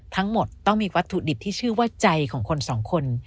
ทั้งหมดต้องมีวัตถุดิบที่ชื่อว่าใจของคนสองคน